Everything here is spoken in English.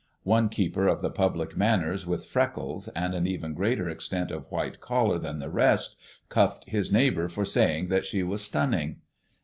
One keeper of the public manners with freckles and an even greater extent of white collar than the rest cuffed his neighbour for saying that she was stunning.